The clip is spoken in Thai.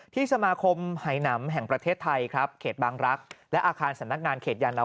ที่สมาคมไหนมแห่งประเทศไทยครับเขตบางรักษ์และอาคารสนักงานเขตยาณวาส